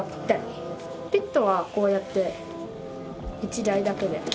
ピットはこうやって１台だけで入れるんで。